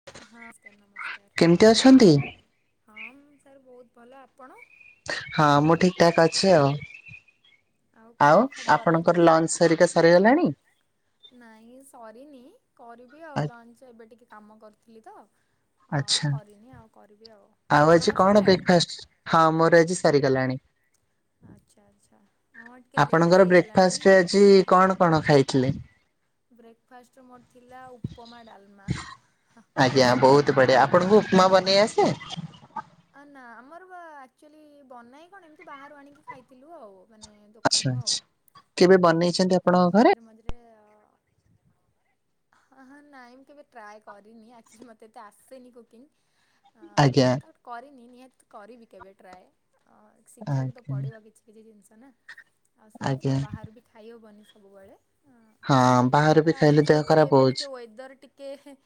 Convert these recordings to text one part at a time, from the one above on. ହଁ କେମିତି ଅଛନ୍ତି? ନମ-ସ୍କାର ନମସ୍କାର୍। ହଁ ମୁଁ ଠିକ ଠାକ୍ ଅଛି ଆଉ। କଣ ଆଉ ଖବର ଆଜି? ଆପଣଙ୍କର ଲଞ୍ଚ ହେରିକା ସରିଗଲାଣି? ନାଇଁ ସରିନି କରିବି ଆଉ ଆ- ଲଞ୍ଚ ଏବେ ଟିକେ କାମ କରୁଥିଲି ତ। ହଁ ଆଚ୍ଛା କରିନି ଆଉ କରିବି ଆଉ। ଆଉ ଆଜି ଆପଣଙ୍କର କଣ ସରିଲାଣି? ବ୍ରେକଫାଷ୍ଟ୍, ହଁ ମୋର ଆଜି ସରିଗଲାଣି। ଆଚ୍ଛା ଆଚ୍ଛା। ହଁ ଟିକେ ଲେଟ୍ ଆପଣଙ୍କର ହେଇଗଲାଣି। ବ୍ରେକଫାଷ୍ଟରେ ଆଜି କଣ କଣ ଖାଇଥିଲେ? ବ୍ରେକଫାଷ୍ଟରେ ମୋର୍ ଥିଲା ଉପମା ଡାଲମା। ଆଜ୍ଞା ବହୁତ୍ ବଢିଆ ଆଜ୍ଞା ଆପଣଙ୍କୁ ଉପମା ବନେଇ ଆସେ? ଆ ନାଁ ଆମର ବା ଆକଚୁଆଲି ବନାଏ କଣ ଏମିତି ବାହାରୁ ଆଣିକି ଖାଇଥିଲୁ ଆଉ। ମାନେ ଆଚ୍ଛା ଦୋକାନ୍ ରୁ ଆଉ। ଆଚ୍ଛା। କେବେ ବନେଇଛନ୍ତି ଆ ଏମିତି ମଝିରେ ମଝିରେ ଅ ହଁ ହଁ ନାଇଁ ମୁଁ କେବେ ଟ୍ରାଏ କରିନି ଆକ୍ଚିଲି ମତେ ତ ଆସେନି କୁକିଂ। ହଁ ଆଜ୍ଞା ତ କରିନି ନିହାତି କରିବି କେବେ ଟ୍ରାଏ, ଅଁ ଶିଖିବାକୁ ତ ଆଜ୍ଞା ପଡିବ କିଛି। କିଛି ଜିନିଷ ନା ଆଉ ସେମିତି ଆଜ୍ଞା। ତ ବାହାରୁ ବି ଖାଇହବନି ସବୁବେଳେ। ହଁ ବାହାରେ ଅଁ ବି ତ ଆଜି ଖାଇଲେ ଦେହ ଯେହେତୁ ଖରାପ ଏବେ ହଉଛି। ଟିକେ ୱେଦର ଟିକ କେ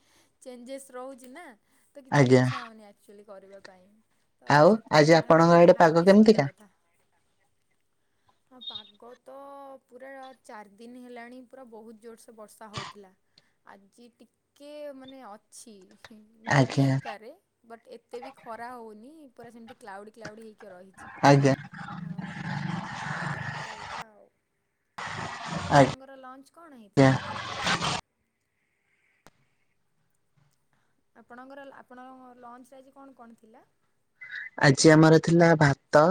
ଚେଞ୍ଜେସ୍ ରହୁଚି ନା ତ କିଛି ଆଜ୍ଞା। ଇଚ୍ଛା ହଉନି ଆକଚୁଆଲି କରିବା ପାଇଁ। ତ ଆଉ ଆଜି ସେଥିପାଇଁ ଖାଲି ଆପଣଙ୍କ ଆଡେ ପାଗ ଖାଇକି ଶୋଇବା କେମିତିକା? କଥା। ହଁ ପାଗ ତ ପୁରା ଚାରି ଦିନି ହେଲାଣି ପୁରା ବହୁତ୍ ଜୋରସେ ବର୍ଷା ହଉଥିଲା। ଆଜି ଟିକେ ମାନେ ଅଛି ହିଁ ମେ ବି ଆଜ୍ଞା ହେଇପାରେ। ବଟ୍ ଏତେ ବି ଖରା ହଉନି ପୁରା ସେମିତି କ୍ଲାଉଡି କ୍ଲାଉଡି ହେଇକି କିଅ ରହିଛି, ଆଜ୍ଞା ଅଁ ଆଁ ତ ଏଇଟା ଆଉ। ଆଉ ଆଜ୍ଞା। ଆପଣଙ୍କର ଲଞ୍ଚ୍ କଣ ହେଇଥିଲା ଆଜି? ଆପଣଙ୍କର ଲା -ଆପଣଙ୍କ ଲଞ୍ଚ୍ ରେ ଆଜି କଣ କଣ ଥିଲା? ଆଜି ଆମର ଥିଲା ଭାତ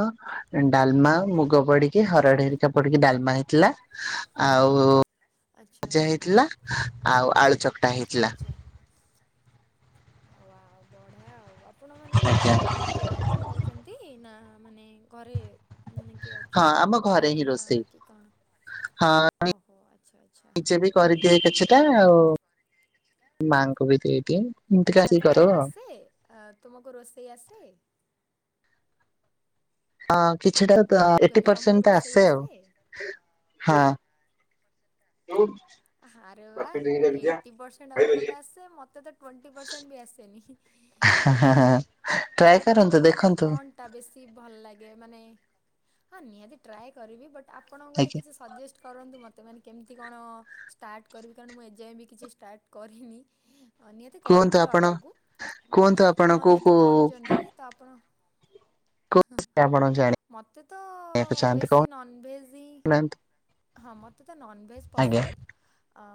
ଡାଲମା ମୁଗ ପଡିକି ଆଚ୍ଛା ହରଡେ ହେରିକା ପଡିକି ଡାଲମା ହେଇଥିଲା ଆଚ୍ଛା ଆଉ-ଜା ହେଇଥିଲା ଆଉ ଆଳୁଚକ୍ ଆଛା ହଉ ଆଉ ବଢିଆ ଆଉ ଆପ୍ ଆପଣ ମାନେ କଣ ଆଜ୍ଞା। ମାନେ ନିଜେ କରିକି ଖାଉଚନ୍ତି ନା ମାନେ ଘରେ ମାନେ କିଏ ହଁ ଅଛନ୍ତି ଆମ ବନେଇ ଘରେ ଦଉଛନ୍ତି ହିଁ ମାନେ ମା ରୋଷେଇ କି କଣ? ଓହୋ ଆଚ୍ଛା ଆଚ୍ଛା। ନିଜେ ବି କରିଦିଏ କିଛିଟା ଆଉ ମାଙ୍କୁ ବି ଦେଇଦିଏ। ଏମିତି ଆଚ୍ଛା ଆସିକି କରୁ ତମକୁ ଆଉ। ଆସେ ଆ ତୁମକୁ ରୋଷେଇ ଆସେ? ହଁ କିଛିଟା ତ ମୁଁ ଏଇଟ୍ଟି କହିଲି ତମକୁ ପରସେଣ୍ଟ ତ ରୋଷେଇ ଆସେ ଆଉ। ହଁ। ଆରେ ବାଃ ହଁ ଏଇଟି ପରସେଣ୍ଟ ଆପଣଙ୍କୁ ଆସେ ମତେ ତ ଟ୍ୱେଣ୍ଟି ପରସେଣ୍ଟ ବି ଆସେନି। [unintelligible] [unintelligible] ଟ୍ରାଏ କରନ୍ତୁ ଦେଖନ୍ତୁ? ଟା ବେଶି ଭଲ ଲାଗେ ମାନେ ହଁ ନିହାତି ଟ୍ରାଏ କରିବି ବଟ୍ ଆ ଆପଣଙ୍କୁ ଗୋଟେ ଆଜ୍ଞା କିଛି ସଜେଷ୍ଟ କରନ୍ତୁ ମତେ ମାନେ କେମିତି କଣ ଷ୍ଟାର୍ଟ କରିବି କାରଣ ମୁଁ ଏଯାଏଁ ବି କିଛି ଷ୍ଟାର୍ଟ କରିନି। ନିହାତି କୁହନ୍ତୁ କରିବି ତ ଆପଣ ଆଗୁକୁ ବଟ୍ କୁହନ୍ତୁ ଆପଣ କୋଉ ଯେହେତୁ କୋଉ କରୁଛନ୍ତି ତ ଆପଣ କୋଉ ହଁ ଆପଣ ମତେ ତ ଜାଣିବାକୁ ଚାହାନ୍ତି ବେଶୀ ନନ୍ଭେଜ୍ ହିଁ କହୁନାହାନ୍ତି ହଁ ମତେ ତ ନନ୍ଭେଜ୍ ଆଜ୍ଞା ପସନ୍ଦ ଆ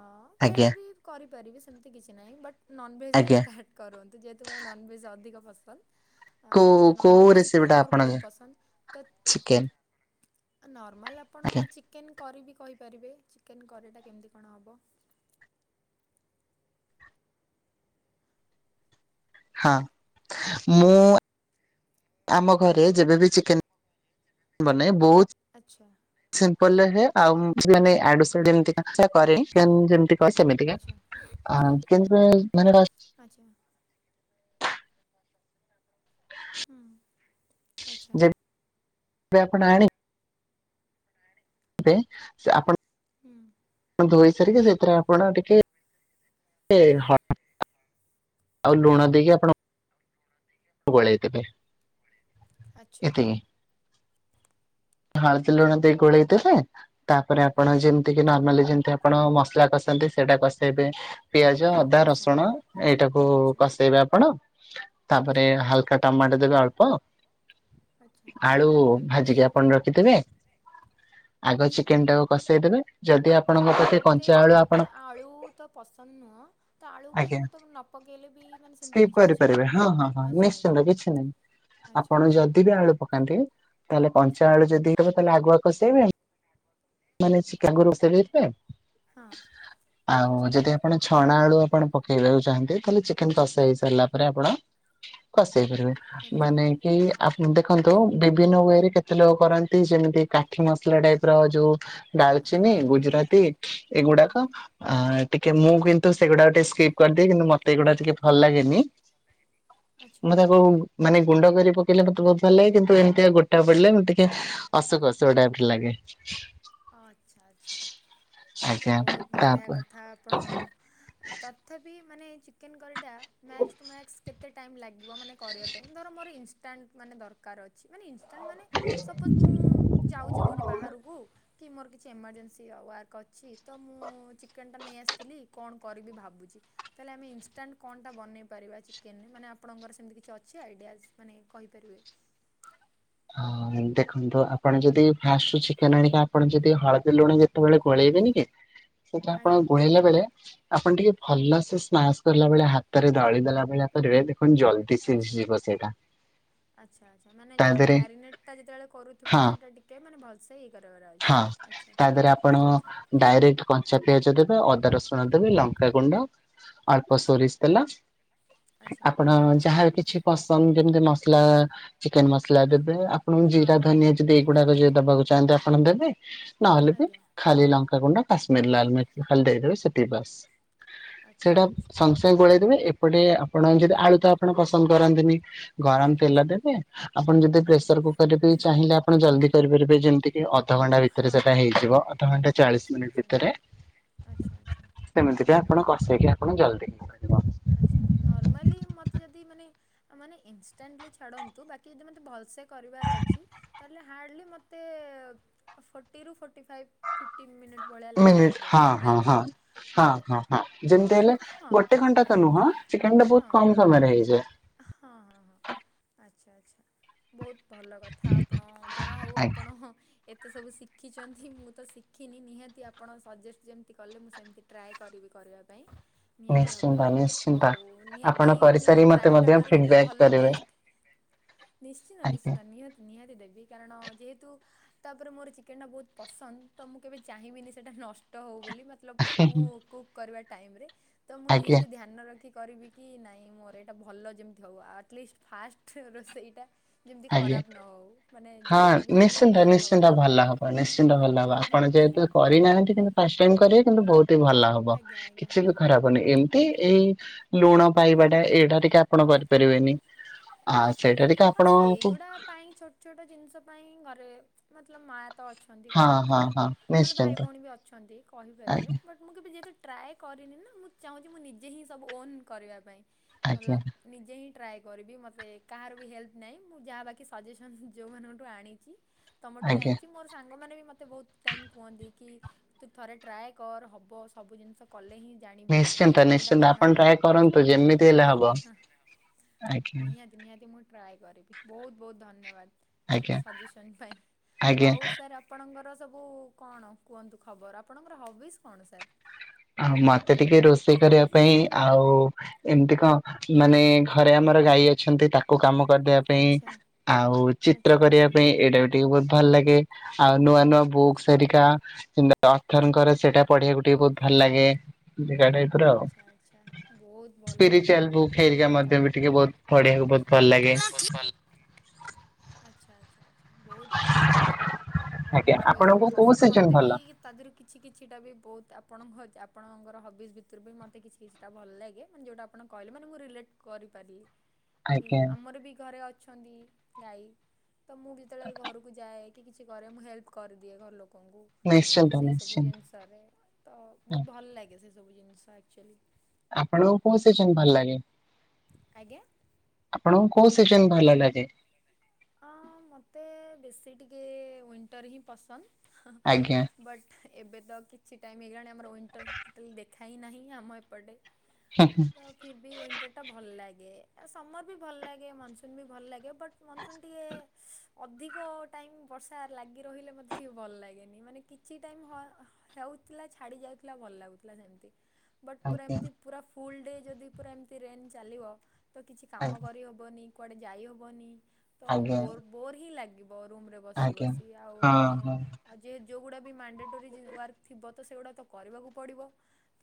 ଆଜ୍ଞା। ଭେଜ୍ ବି କରିପାରିବି ସେମିତି କିଛି ନାହିଁ ବଟ୍ ନନ୍ଭେଜ୍ରୁ ଆଜ୍ଞା ଷ୍ଟାର୍ଟ କରନ୍ତୁ ଯେହେତୁ ମୋର ନନ୍ଭେଜ୍ ଅଧିକ ପସନ୍ଦ। ଆଁ କୋଉ ତ କୋଉ ନନ୍ଭେଜ୍ ରେ ରେସିପି ଟା ଚିକେନ୍ ମୋର ଆପଣଙ୍କ ବହୁତ ପସନ୍ଦ ତ ଚିକେନ ନର୍ମାଲ୍ ଆପଣ ଆଜ୍ଞା ଚିକେନ୍ କରି ବି କହିପାରିବେ ଚିକେନ୍ କରିଟା କେମିତି କଣ ହବ? ହାଁ ମୁଁ ଆମ ଘରେ ଯେବେବି ଚିକେନ୍ ବନେ ବହୁତ ଆଚ୍ଛା। ସିମ୍ପଲ୍ ରେ ହୁଏ ଆଉ ମୁଁ ଆଜ୍ଞା ଆଚ୍ଛା [unintelligible] [unintelligible] ଆଚା। ହଁ। ଯଦି ଏ ଆପଣ ଆଣି ରେ ସେ ଆପଣ [unintelligible] ଧୋଇ ସାରିକି ସେଥିରେ ଆପଣ ଟିକେ ଏ ହ ଆଉ ଲୁଣ ଦେଇକି ଆପଣ ଗୋଳେଇଦେବେ ଆଚ୍ଛା ଏତିିକି। ହଳଦୀ ଲୁଣ ଦେଇ ଗୋଳେଇ ଦେବେ ତାପରେ ଆପଣ ଯେମ ତି ହଁ ନର୍ମାଲି ଯେମିତି ଆପଣ ମସଲା କସାନ୍ତି ସେଇଟା କସେଇବେ ପିଆଜ ଅଦା ଆଚ୍ଛା ରସୁଣ ଏଇଟାକୁ ଆଚ୍ଛା କଷେଇବେ ଆପଣ ରେ ଆଚ୍ଛା ହାଲକା ଟମାଟୋ ଦେବେ ଅଳ୍ପ। ଆଚ୍ଛା ଆଳୁ ଭାଜିକି ଆପଣ ରଖିଥିବେ ଆଗ ଆଚ୍ଛା ଚିକେନ୍ ଟାକୁ କସେଇ ଦେବେ। ଯଦି ଆପଣଙ୍କ ହଁ ପାଖେ ମତେ କଞ୍ଚା ଆଳୁ ଆପଣ ମତେ ଆଳୁ ତ ପସନ୍ଦ ନୁହଁ। ତ ଆଳୁ ବି ଆଜ୍ଞା ମୁଁ ତାକୁ ନ ପକେଇଲେ ବି ମାନେ ସେମିତି ସ୍କିପ୍ କିଛି ଅଛି କି କରିପାରିବେ ନା? ହଁ ହଁ ହଁ ଆଚ୍ଛା ଆଚ୍ଛା ନିଶ୍ଚିନ୍ତ କିଛି ନାହିଁ ଆଚ୍ଛା ଆଚ୍ଛା ଆପଣ ଯଦିବି ଆଳୁ ପକାନ୍ତି ତାହେଲେ ଆଚ୍ଛା କଞ୍ଚା ଆଳୁ [unintelligible] ହଁ ଆଉ ଆଚ୍ଛା ଯଦି ଆ ପଣ ଛଣା ଆଳୁ ଆପଣ ପକାଇବାକୁ ଚାହାଁନ୍ତି ତାହେଲେ ଚିକେନ୍ କସେ ହେଇ ସାରିଲା ପରେ ଆପଣ ଖସେଇ ପାରିବେ। ଆଚ୍ଛା ମାନେ କି ଆ ଦେଖନ୍ତୁ ଆଚ୍ଛା ବିଭିନ୍ନ ୱେରେ କେତେ ଲୋକ କରନ୍ତି ଯେମିତି କାଠି ମସଲା ଟାଇପର ଯୋଉ ଡାଲଚିନି, ହଁ ହଁ ହଁ ଗୁଜୁରାତି ହଁ ଏଗୁଡାକ। ଆ ଟିକେ ମୁଁ କିନ୍ତୁ ସେଗୁଡା ଟିକେ ସ୍କିପ୍ କରିଦିଏ କିନ୍ତୁ ମତେ ଏଗୁଡା ଟିକେ ଭଲ ଲାଗେନି। ଆଚ୍ଛା ମତେ ତାକୁ ମାନେ ଗୁଣ୍ଡ କରି ପକେଇଲେ ମତେ ବହୁତ ଭଲ ଲାଗେ, କିନ୍ତୁ ଏମିତିଆ ଗୋଟା ପକେଲେ ମୁଁ ଟିକେ ଅସୁକ ଅସୁକ ଟାଇପ୍ ର ଲାଗେ। ଅ ଆଚ୍ଛା ଆଚ୍ଛା ଆଜ୍ଞା ବହୁତ ବଢ଼ିଆ ତାପ କଥା ଆପଣ ତଥାପି ମାନେ ଚିକେନ୍ କରିଟା ମ୍ୟାକ୍ସ ଟୁ ମ୍ୟାକ୍ସ କେ ଏତେ ଟାଇମ୍ ଲାଗିବ ମାନେ କରିବା ପାଇଁ ଧର ମୋର ଇନଷ୍ଟାଣ୍ଟ ମାନେ ଦରକାର ଅଛି ମାନେ ଇନଷ୍ଟାଣ୍ଟ ମାନେ ସପୋଜ ମୁଁ ଯାଉଛି କୋଉଠି ବାହାରକୁ କି ମୋର କିଛି ଏମର୍ଜେନ୍ସି ୱାର୍କ ଅଛି ତ ମୁଁ ଚିକେନ୍ ଟା ନେଇଆସିଥିଲି, କଣ କରିବି ଭାବୁଛି? ତାହେଲେ ଆମେ ଇନଷ୍ଟାଣ୍ଟ କଣଟା ବନେଇ ପାରିବା ଚିକେନ୍ ରେ ମାନେ ଆପଣଙ୍କର ସେମିତି କିଛି ଅଛି ଆଇଡ଼ିଆ ଅଛି ମାନେ କହିପାରିବେ। ହଁ ଦେଖନ୍ତୁ ଆପଣ ଯଦି ଫାଷ୍ଟରୁ ଚି ଚିକେନ୍ ଆଣିକି ଆପଣ ଯଦି ହଳଦୀ ଲୁଣ ଯେତେବେଳେ ଗୋଳେଇବେନି କି ସେଟା ଆପଣ ଆଜ୍ଞା ଗୋଳେଇଲା ବେଳେ ଆପଣ ଟିକେ ଭଲସେ ସ୍ନାସ କଲା ବେଳେ ହାତରେ ଦଳି ଦେଲା ଭଳିଆ କରିବେ ଦେଖନ୍ତୁ ଜଲଦି ସିଜି ଆଚ୍ଛା ଯିବ ସେଇଟା, ତା ଦେହରେ ତା ଯେତେବେଳେ କରୁଥିବା ହଁ ସେଇଟା ଟିକେ ମାନେ ଭଲସେ ଇ କରିବାରଇ। ହଁ ତା ଦେହେରେ ଆପଣ ଡାଇରେକ୍ଟ କଞ୍ଚା ପିଆଜ ଦେବେ, ଅଦା ରସୁଣ ଦେବେ, ଲଙ୍କାଗୁଣ୍ଡ ଅଳ୍ପ ଆଚ୍ଛା ସୋରିଷ ତେଲ, ଆଚ୍ଛା ଆପଣ ଯାହା ବି କିଛି ପସନ୍ଦ ଯେମିତି ମସଲା ଚିକେନ୍ ମସଲା ଦେବେ, ଆପଣଙ୍କୁ ହଁ ଜିରା ହଁ ହଁ ଧନିଆ ଯଦି ଏଗୁଡାକ ଯଦି ଦେବାକୁ ଚାହିଁନ୍ତି ଆପଣ ଦେବେ, ନହେଲେ ବି ଆଜ୍ଞା ଖାଲି ଲଙ୍କାଗୁଣ୍ଡ କାଶ୍ମୀର ଲାଲ ମିରିଚିଖାଲି ଦେଇଦେବେ ସେତିକି ବାସ୍, ଆଚ୍ଛା ସେଟା ସ ଗୋଳେଇଦେବେ, ଏପଟେ ଆପଣ ଯଦି ଆଳୁ ତ ଆପଣ ପସନ୍ଦ କରନ୍ତିିନି ଗରମ ତେଲ ଆଚ୍ଛା ଆଚ୍ଛା ଦେବେ, ଆପଣ ଯଦି ହଁ ପ୍ରେସରକୁକର ରେ ବି ଚାହିଁଲେ ଆପଣ ଜଲଦି କରିପାରିବେ, ଯେମିତି ଅଧଘଣ୍ଟା ଭିତରେ ସେଟା ହଁ ହେଇଯିବ, ଅଧଘଣ୍ଟା ଚାଳିଶ ଆଚ୍ଛା ମିନିଟି ଆଚ୍ଛା ଭିତରେ ଆଚ୍ଛା ଆଚ୍ଛା। ସେମିତି ବି ଆପଣ କଷେଇକି ଆପଣ ଜଲଦି [unintelligible] ଆଚ୍ଛା ନର୍ମାଲି ମୋତେ ଯଦି ମାନେ ଆ ମାନେ ଇନଷ୍ଟାନ୍ଟିଲି ଛାଡନ୍ତୁ ବାକି ଯଦି ମତେ ଭଲସେ କରିବାର ଅଛି, ତାହେଲେ ହାର୍ଡ଼ଲି ମୋତେ ଫୋର୍ଟି ରୁ ଫୋର୍ଟି ଫାଇଭ୍ ଫିଫ୍ଟିନ୍ ମିନିଟ୍ ଭଳିଆ ମିନିଟ୍ ଲାଗିଯିବ, ହଁ ହଁ ଆଇ ହଁ। ଥିଙ୍କ ହଁ ତ ହଁ। ସେ କଥା ନୁହଁ, ଚିକେନ୍ ଟା ବହୁତ ହଁ କମ ସମୟରେ ହେଇଯାଏ। ହଁ, ଆଚ୍ଛା ଆଚ୍ଛା। ବହୁତ ଭଲ କଥା ଆପଣ, ଯାହା ହଉ ଆଜ୍ଞା ଆପଣ ଏତେ ସବୁ ଶିଖିଛନ୍ତି ମୁଁ ତ ଶିଖିନି, ନିହାତି ଆପଣ ସଜେଷ୍ଟ ଯେମିତି କଲେ ମୁଁ ସେମିତି ଟ୍ରାଏ କରିବି କରିବା ପାଇଁ ନିହାତି ନିଶ୍ଚିନ୍ତ ଭାବରେ, ନିଶ୍ଚିନ୍ତ। ଆଉ ଆପଣ ନିହାତି ମୁଁ କରିସାରି ମତେ ଟ୍ରାଏ ଟା ମଧ୍ୟ କରିବି କି ଫିଡବ୍ୟାକ୍ ଭଲ କରିବେ ଟେଷ୍ଟ। ନିଶ୍ଚିତ ଆଜ୍ଞା ନିଶ୍ଚିତ ନିହାତି। ନିହାତି ଦେବି କାରଣ ଯେହେତୁ ତାପରେ ମୋର ଚିକେନ୍ ଟା ବହୁତ ପସନ୍ଦ ତ ମୁଁ କେବେ ଚାହିଁବିନି ସେଟା ନଷ୍ଟ ହଉ ବୋଲି। ମୁଁ କୁକ୍ କରିବା ଟାଇମରେ ତ ମୁଁ ଆଜ୍ଞା ନିହାତି ଧ୍ୟାନ ରଖି କରିବି କି ନାଇଁ ମୋର ଟା ଭଲ ଯେମିତି ହେଉ, ଆଟଲିଷ୍ଟ ଫାଷ୍ଟ ରୋଷେଇଟା ଯେମିତି ଆଜ୍ଞା। ଖରାପ ନ ହେଉ ମାନେ ହଁ ଯେତିକି ବି ହଉ ନିଶ୍ଚିନ୍ତ ଭଲ ହେବା ନିଶ୍ଚିନ୍ତ ଭଲ ଦରକାର, ହବ ନିଶ୍ଚିନ୍ତ ଭଲ ହବ ଆପଣ ହଁ। ଯେହେତୁ କରିନାହାନ୍ତି କିନ୍ତୁ ଫାଷ୍ଟ ଟାଇମ୍ କରିବେ କିନ୍ତୁ ବହୁତ ହିଁ ଭଲ ହବ। ବ ଆଜ୍ଞା ଆଜ୍ଞା କିଛି ବି ଖରାପନି ଏମିତି ଏଇ ଲୁଣ ପାଇବାଟା ଏଇଟା ଟିକେ ଆପଣ କରିପାରିବେନି ଆ ସେଇଟା ଟିକେ ଆପଣ ଏଗୁଡ଼ା ପାଇଁ ଛୋଟ ଛୋଟ ଜିନିଷ ପାଇଁ ଘରେ ମତଲବ ମାଆ ତ ଅ ଅଛନ୍ତି ହଁ କହିବା ହଁ ପାଇଁ ହଁ ନହେଲେ ଭାଇ ନିଶ୍ଚିନ୍ତ ଭଉଣୀ ବି ଅଛନ୍ତି କହିପାରିବେ ଆଜ୍ଞା ବଟ ମୁଁ କେବେ ଯେହେତୁ ଟ୍ରାଏ କରିନି ନା ମୁଁ ଚାହୁଁଚି ମୁଁ ନିଜେ ହିଁ ସବୁ ଓନ୍ କରିବା ପାଇଁ ଆଜ୍ଞା। ମତଲବ ନିଜେ ହିଁ ଟ୍ରାଏ କରିବି ମୋତେ କାହାର ବି ହେଲ୍ପ ନାହିଁ ମୁଁ ଯାହା ବାକି ସଜେସନ୍ ଯେଉଁମାନଙ୍କଠୁ ଆଣିଚି। ତମଠୁ ବି ଆଜ୍ଞା ଆଣିଚି ମୋର ସାଙ୍ଗମାନେ ବି ମୋତେ ବହୁତ ଟାଇମ୍ କୁହନ୍ତି କି ତୁ ଥରେ ଟ୍ରାଏ କର ହେବ ସବୁ ଜିନିଷ କଲେ ହିଁ ଜାଣିବୁ ନିଶ୍ଚିନ୍ତ କୋଉଟା ନିଶ୍ଚିନ୍ତ କଣ ଆପଣ ଟ୍ରାଏ ଏ କରନ୍ତୁ ତ ଯେମିତି ହେଲେ ହବ ହଁ ଆଜ୍ଞା। ନିହାତି ନିହାତି ମୁଁ ଟ୍ରାଏ କରିବି ବହୁତ ବହୁତ ଧନ୍ୟବାଦ। ଆଜ୍ଞା ସଜେସନ୍ ପାଇଁ ଆଜ୍ଞା ଆଉ ସାର୍ ଆପ ଆପଣଙ୍କର ସବୁ କଣ କୁହନ୍ତୁ ଖବର ଆପଣଙ୍କର ହବିସ୍ କଣ ସାର୍? ଆଉ ମତେ ଟିକେ ରୋଷେଇ କରିବା ପାଇଁ ଆଉ ଏମିତି କଣ ମାନେ ଘରେ ଆମର ଗାଈ ଅଛନ୍ତି ତାକୁ କାମ କରିଦବା ପାଇଁ ଆଚ୍ଛା ଆଉ ଚିତ୍ର ଆଚ୍ଛା କରିବା ଆଚ୍ଛା ପାଇଁ ଏଇଟା ଗଟେ ଟିକେ ବହୁତ ଭଲ ଲାଗେ ଆଉ ନୂଆ ନୂଆ ବୁକ୍ ଆଚ୍ଛା। ହେରିକା କିମ୍ବା ଅର୍ଥଙ୍କର ସେଇଟା ପଢ଼ିବାକୁ ଟିକେ ବହୁତ ଭଲ ଲାଗେ। ଏମିତିକା ଟାଇପ ର ଆଉ ଆଚ୍ଛା ଆଚ୍ଛା ବହୁତ ଭଲ କଥା ସ୍ପିରିଚୁଆଲ ବହୁତ ବୁକ୍ ଭଲ ହେରିକା କଥା। ମଧ୍ୟ ବି ଟିକେ ବହୁତ ପଢିବାକୁ ବହୁତ ଆଚ୍ଛା ଭଲ ଆଚ୍ଛା [unintelligible] ଲାଗେ। ଆଚ୍ଛା ଆଚ୍ଛା ଆଚ୍ଛା। ଆଚ୍ଛା ବହୁତ ଭଲ କଥା ଆଜ୍ଞା ଆପଣଙ୍କ ସବୁ ଏସବୁ ଆପଣଙ୍କୁ କୋଉ ପସନ୍ଦ ସିଜନ ମୋତେ ବି ଭଲ ତା ଦେହରୁ କିଛି କିଛିଟା ବି ବହୁତ ଆପଣଙ୍କ ଆପଣଙ୍କ ହବିସ୍ ଭିତରୁ ବି ମୋତେ କିଛି କିଛିଟା ଭଲ ଲାଗେ ମାନେ ଯଉଟା ଆଣ କହିଲେ ମୁଁ ରିଲେଟ୍ କରିପାରିଲି। କି ଆଜ୍ଞା ଆମର ବି ଘରେ ଅଛନ୍ତି ଗାଈ ତ ମୁଁ ଯେତେବେଳେ ଘରକୁ ଯାଏ ତି କିଛି କରେ ମୁଁ ହେଲ୍ପ କରିଦିଏ ଘର ଲୋକଙ୍କୁ ନିଶ୍ଚିନ୍ତ ସେଇ ସବୁ ନିଶ୍ଚିନ୍ତ ଜିନିଷ କରେ ତ ବହୁତ ଭଲ ଲାଗେ ସେ ସବୁ ଜିନିଷ ଆକ୍ଚୁଆଲି। ଆପଣଙ୍କୁ କୋଉ ସିଜନ୍ ଭଲ ଲାଗେ? ଆଜ୍ଞା? ଆପଣଙ୍କୁ କୋଉ ସିଜନ୍ ଭଲ ଲାଗେ? ହଁ ମୋତେ ବେଶୀ ଟିକେ ୱିଣ୍ଟର୍ ହିଁ ପସନ୍ଦ। ଆଜ୍ଞା ବଟ୍ ଏବେ ତ କିଛି ଟାଇମ୍ ହେଇଗଲାଣି ଆମର ୱିଣ୍ଟର୍ ଟୋଟାଲି ଦେଖା ହିଁ ନାହିଁ ଆମ ଏପଟେ। ହୁଁ ହୁଁ। ଫିର୍ବି ୱିଣ୍ଟର୍ ଟା ଭଲ ଲାଗେ ସମର ବି ଭଲ ଲାଗେ ମନସୁନ୍ ବି ଭଲ ଲାଗେ ବଟ ମନସୁନ୍ ଗେ ଅଧିକ ଟାଇମ୍ ବର୍ଷା ଲାଗି ରହିଲେ ମତେ ଟିକେ ଭଲ ଲାଗେନି ମାନେ କିଛି ଟାଇମ୍ ହଁ ହୋଉଥିଲା ଛାଡ଼ି ଯାଉଥିଲା ଭଲ ଲାଗୁଥିଲା ସେମିତି। ବଟ୍ ପୁରା ଆଜ୍ଞା ଏମିତି ପୁରା ଫୁଲ୍ ଡେ ଯଦି ପୁରା ଏମିତି ରେନ୍ ଚାଲିବ ତ କିଛି କାମ ଆଜ୍ଞା କରିହେବନି। କୁଆଡ଼େ ଯାଇ ହବନି ତୋ ଆଜ୍ଞା। ବୋର୍ ବୋର୍ ହିଁ ଲାଗିବ ରୁମ୍ ରେ ବସି ଆଜ୍ଞା ବସି ଆଉ ହଁ ମାନେ ହଁ ଆଉ ଯେ ଯୋଉଗୁଡ଼ା ବି ମ୍ୟାଣ୍ଡେଟୋରି ଜି ୱାର୍କ ଥିବ ତ ସେଗୁଡ଼ାକ ତ କରିବାକୁ ପଡ଼ିବ।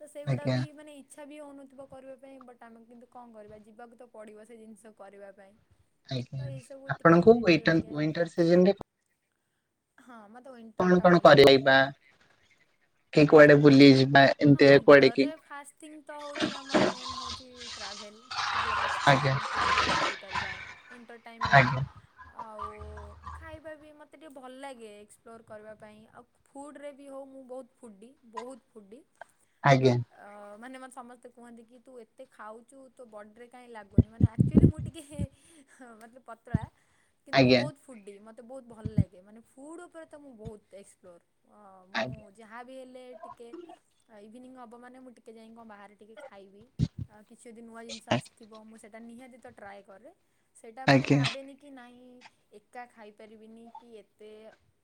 ତ ସେଗୁଡ଼ା ଆଜ୍ଞା ବି ମାନେ ଇ ଇଚ୍ଛା ବି ହେଉନଥିବ କରିବା ପାଇଁ ବଟ ଆମେ କିନ୍ତୁ କଣ କରିବା ଯିବାକୁ ତ ପଡ଼ିବ ସେ ଜିନିଷ କରିବା ପାଇଁ। ଆଜ୍ଞା ତ ଏଇସବୁ ଟିକେ ଆପଣଙ୍କୁ ଇରିଟେଡ଼୍ ଏଣ୍ଟ ଲାଗେ ୱିଣ୍ଟର ସିଜନ୍ ରେ ହଁ ମତେ ୱିଣ୍ଟର୍ ଟା କଣ ଭଲ ଲାଗେ। କରିବା କି କୁଆଡ଼େ ବୁଲି ଯିବା ହଁ ଏମିତି କୁଆଡେ ୱିଣ୍ଟର୍ କି ରେ ଫାଷ୍ଟ ଥିଙ୍ଗ୍ ତ ହଉଚି ଆମର ମେନ୍ ହଉଚି ଟ୍ରାଭେଲ୍ ମତଲବ ଏକ୍ସ ପ୍ଲୋର ଆଜ୍ଞା ଆମେ କେଉଠି ବି ଯାଇଁ କରିପାରିବା ୱିଣ୍ଟର୍ ଟାଇମ୍ ରେ। ଆଜ୍ଞା ଆଉ ଖାଇବା ବି ମୋତେ ଟିକେ ଭଲ ଲାଗେ ଏକ୍ସପ୍ଲୋର୍ କରିବା ପାଇଁ ଆଉ ଫୁଡ଼୍ ରେ ବି ହଉ ମୁଁ ବହୁତ ଫୁଡ଼ି, ବହୁତ ଫୁଡ଼ି। ଆଜ୍ଞା ବଟ୍ ଅ ମାନେ ମତେ ସମସ୍ତେ କୁହନ୍ତି କି ତୁ ଏତେ ଖାଉଛୁ ତୋ ବଡ଼ିରେ କାଇଁ ଲାଗୁନି ମାନେ ଆ ଚୁଲି ମୁଁ ଟିକେ ହଁ ମାନେ ପତଳା। କିନ୍ତୁ ମୁଁ ଆଜ୍ଞା ବୋହୁତ ଫୁଡ଼ି ମତେ ବୋହୁତ ଭଲ ଲାଗେ ମାନେ ଫୁଡ଼୍ ଉପରେ ତ ମୁଁ ବହୁତ ଏକ୍ସପ୍ଲୋର୍। ଅ ଆଜ୍ଞା ଆଜ୍ଞା ମୁଁ ଯାହାବି ହେଲେ ଟିକେ ଆ ଇଭିନିଙ୍ଗ ହବ ମାନେ ମୁଁ ଟିକେ ଯାଇ କଣ ବାହାରେ ଟିକେ ଖାଇବି, ଆଉ କିଛି ଯଦି ନୂଆ ଜିନିଷ ଆସ୍ ଥିବ ମୁଁ ସେଇଟା ନିହାତି ତ ଟ୍ରାଏ କରେ ସେଇଟା ମାନେ ଆଜ୍ଞା ଭାବେନି କି କି ନାଇଁ ଏକା ଖାଇପାରିବିନି କି ଏତେ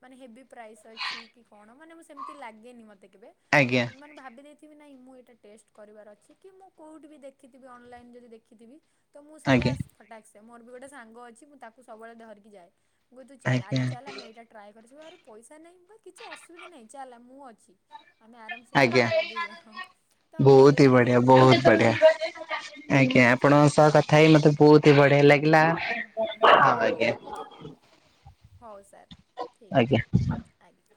ମାନେ ହେଭି ପ୍ରାଇସ୍ ଅଛି କି କଣ ମାନେ ମୁଁ ସେମିତି ଲାଗେନି ମତେ କେବେ ମୁଁ ମାନେ ଭାବି ଦେଇଥିବି ନାଇଁ ମୁଁ ଏଇଟା ଟେଷ୍ଟ କରିବାର ଅଛି କି ମୁଁ କୋଉଠି ବି ଦେଖିଥିବି ଅନଲାଇନ ଯଦି ଦେଖିଥିବି ତ ମୁଁ ସେଇଟାସ୍ ଫଟାକ୍ସେ, ମୋର ବି ଗୋଟେ ସାଙ୍ଗ ଅଛି ମୁଁ ତାକୁ ସବୁବେଳେ ଧରିକି ଯାଏ। କୁଏ ତୁ ଚାଲ୍, ଆଜି ଆଜ୍ଞା ଆଜ୍ଞା ଚାଲ୍ ଆମେ ଏଇଟା ଟ୍ରାଏ କରି ଯିବା ଆରେ ପଇସା ନାଇଁ, ମୁଁ କହେ କିଛି ଅସୁବିଧା ନାଇଁ ଚାଲ୍ ମୁଁ ଅଛି ଆମେ ଆରାମ୍ ସେ ଆଜ୍ଞା ଖାଇପାରିବା ଦି ଜଣ ତ ଭଲ ବହୁତ ହି ଲାଗେ ବଢିଆ ସେ ବହୁତ ଜିନିଷଟା। ବଢିଆ। ଆଜ୍ଞା ଆପଣଙ୍କ ସହ କଥା ହେଇ ମତେ ବହୁତ ହି ବଢିଆ ଲାଗିଲା। ଆଜ୍ଞା। ହଉ ସାର୍, ଠିକ୍ ଆଜ୍ଞା। ଅଛି। ଆଜ୍ଞା।